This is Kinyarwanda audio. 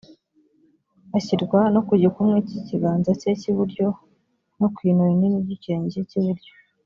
ashyirwa no ku gikumwe cy ikiganza cye cy iburyo no ku ino rinini ry ikirenge cye cy iburyo